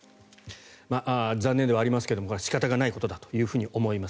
残念ではありますがこれは仕方がないことだと思います。